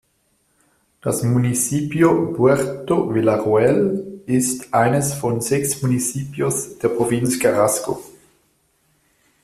Das Municipio "Puerto Villarroel" ist eines von sechs Municipios der Provinz Carrasco.